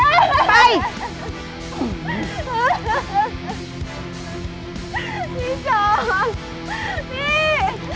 พี่จอมพี่พี่